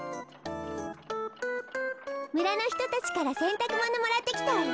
むらのひとたちからせんたくものもらってきたわよ。